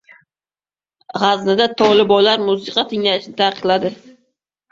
G‘aznida Tolibonlar musiqa tinglashni taqiqladi